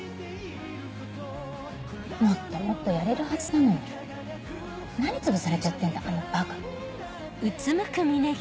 もっともっとやれるはずなのに何つぶされちゃってんだあのばかって。